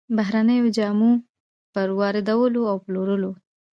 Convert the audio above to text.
بهرنيو جامو پر واردولو او پلورلو